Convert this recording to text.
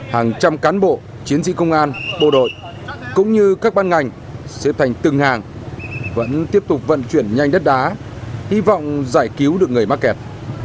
hàng trăm cán bộ chiến sĩ công an bộ đội cũng như các ban ngành sẽ thành từng hàng vẫn tiếp tục vận chuyển nhanh đất đá hy vọng giải cứu được người mắc kẹt